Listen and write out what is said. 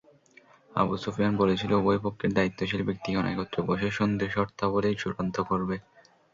Abu Sufyan বলেছিল, উভয় পক্ষের দায়িত্বশীল ব্যক্তিগণ একত্রে বসে সন্ধির শর্তাবলী চুড়ান্ত করবে।